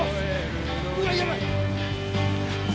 うわやばい！